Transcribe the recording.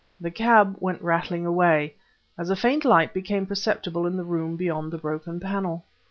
The cab went rattling away ... as a faint light became perceptible in the room beyond the broken panel.